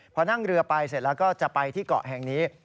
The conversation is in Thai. พอนั่งเรือไปเสร็จแล้วก็จะไปที่เกาะแห่งนี้